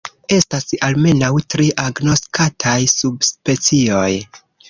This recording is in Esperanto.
Estas almenaŭ tri agnoskataj subspecioj.